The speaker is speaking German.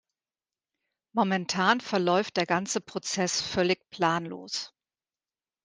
Momentan verläuft der ganze Prozess völlig planlos.